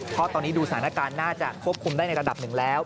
เพราะตอนนี้ดูสถานการณ์น่าจะควบคุมได้ในระดับหนึ่งแล้ว